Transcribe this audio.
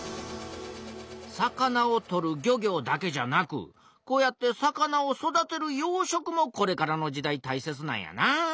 魚を取る漁業だけじゃなくこうやって魚を育てる養殖もこれからの時代たいせつなんやなあ。